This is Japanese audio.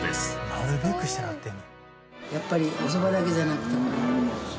なるべくしてなってんねや。